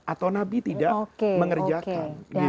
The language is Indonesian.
atau nabi tidak mengerjakan